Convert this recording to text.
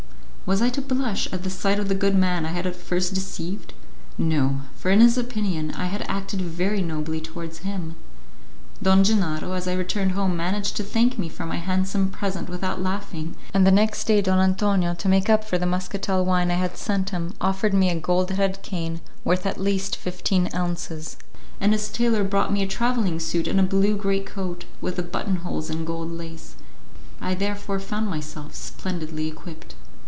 Was I to blush at the sight of the good man I had at first deceived? No, for in his opinion I had acted very nobly towards him. Don Gennaro, as I returned home, managed to thank me for my handsome present without laughing, and the next day Don Antonio, to make up for the muscatel wine I had sent him, offered me a gold headed cane, worth at least fifteen ounces, and his tailor brought me a travelling suit and a blue great coat, with the buttonholes in gold lace. I therefore found myself splendidly equipped.